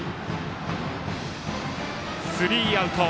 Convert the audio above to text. スリーアウト。